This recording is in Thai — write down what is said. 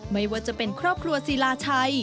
ไม่ว่าจะเป็นครอบครัวศิลาชัย